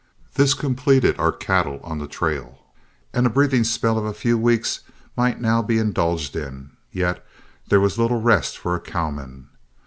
This completed our cattle on the trail, and a breathing spell of a few weeks might now be indulged in, yet there was little rest for a cowman.